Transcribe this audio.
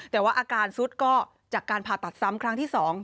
แต่ว่าอาการซุดก็จากการผ่าตัดซ้ำครั้งที่๒